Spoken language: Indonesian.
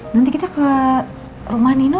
nanti kita ke rumah nino